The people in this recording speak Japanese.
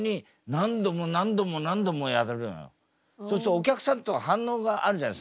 そうするとお客さんとか反応があるじゃない？